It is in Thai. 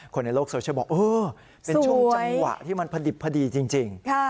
คนในโลกโซเชียลบอกเออเป็นช่วงจังหวะที่มันพอดิบพอดีจริง